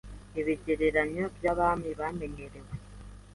ibigereranyo by’abami bamenyereye: